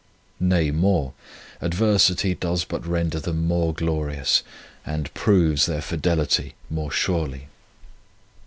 Nay more, adversity does but render them more glorious, and proves their fidelity more surely.